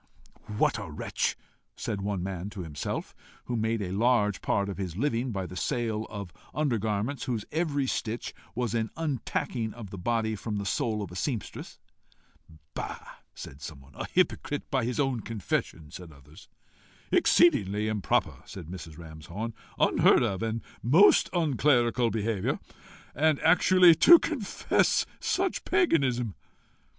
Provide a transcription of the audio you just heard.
"What a wretch!" said one man to himself, who made a large part of his living by the sale of under garments whose every stitch was an untacking of the body from the soul of a seamstress. "Bah!" said some. "A hypocrite, by his own confession!" said others. "Exceedingly improper!" said Mrs. Ramshorn. "Unheard of and most unclerical behaviour! And actually to confess such paganism!"